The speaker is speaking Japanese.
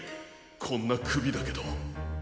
こんなくびだけど。